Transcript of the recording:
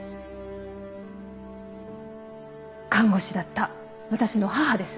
看護師だった私の母です。